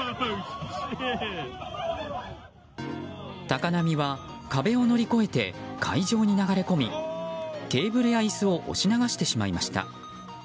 高波は、壁を乗り越えて会場に流れ込みテーブルや椅子を押し流してしまいました。